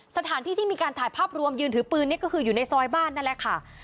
สถานที่ที่มีการถ่ายภาพรวมยืนถือปืนนี่ก็คืออยู่ในซอยบ้านนั่นแหละค่ะ